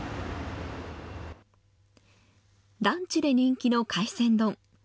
ランチで人気の海鮮丼。